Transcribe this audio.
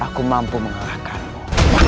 aku mampu mengalahkanku